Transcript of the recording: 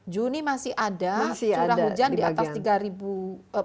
juni masih ada curah hujan di atas tiga ribu